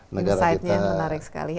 insightnya menarik sekali